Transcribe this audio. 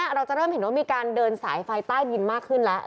เราจะเริ่มเห็นว่ามีการเดินสายไฟใต้ดินมากขึ้นแล้ว